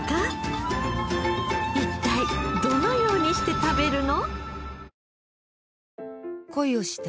一体どのようにして食べるの？